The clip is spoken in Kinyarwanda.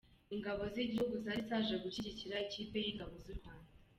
Ingabo z’igihugu zari zaje gushyigikira ikipe y’ingabo z’u Rwanda.